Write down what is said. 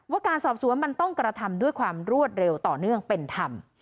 การสอบสวนมันต้องกระทำด้วยความรวดเร็วต่อเนื่องเป็นธรรม